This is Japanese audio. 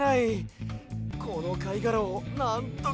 このかいがらをなんとかしないと。